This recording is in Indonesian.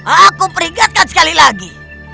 aku peringatkan sekali lagi